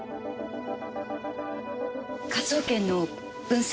科捜研の分析